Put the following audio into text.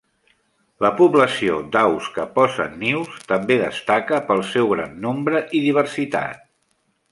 La població d'aus que posen nius també destaca pel seu gran nombre i diversitat.